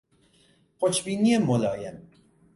خوشبینی ملایم